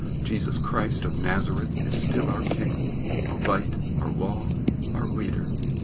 Jesus Christ of Nazareth is still our King, our Light, our Law, our Leader.